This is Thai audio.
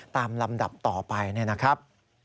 ตามลำดับต่อไปนะครับ